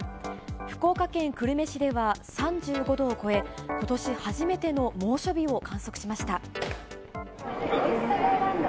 福岡県久留米市では３５度を超え、ことし初めての猛暑日を観測しました。